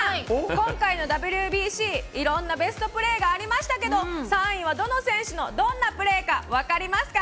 今回のＷＢＣ、いろんなベストプレーがありましたけれども、３位はどの選手のどんなプレーか分かりますか？